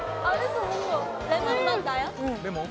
レモン？